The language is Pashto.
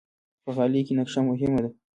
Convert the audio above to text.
په غالۍ کې نقشه مهمه ده.